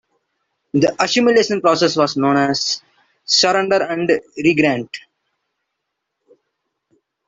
The assimilation process was known as "surrender and regrant".